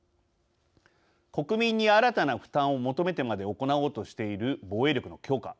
国民に新たな負担を求めてまで行おうとしている防衛力の強化。